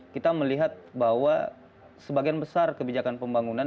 kita melihat bahwa sebagian besar kebijakan pembangunan